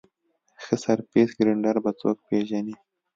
ښه سرفېس ګرېنډر به څوک پېژني ؟